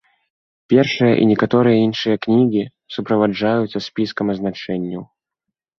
Першая і некаторыя іншыя кнігі суправаджаюцца спіскам азначэнняў.